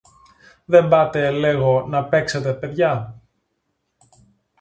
Δεν πάτε, λέγω, να παίξετε, παιδιά;